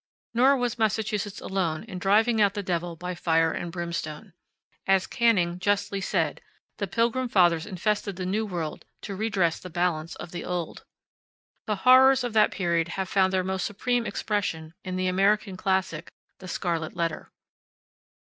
Nor was Massachusetts alone in driving out the devil by fire and brimstone. As Canning justly said: "The Pilgrim fathers infested the New World to redress the balance of the Old." The horrors of that period have found their most supreme expression in the American classic, THE SCARLET LETTER.